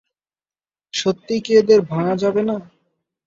সত্যিই কি এদের ভাঙা যাবে না?